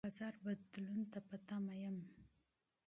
د بازار بدلون ته په تمه یم.